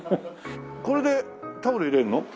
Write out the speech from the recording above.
これでタオル入れるの？